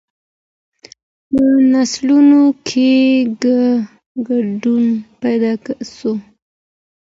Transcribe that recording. په نسلونو کي ګډوډي پیدا سوه.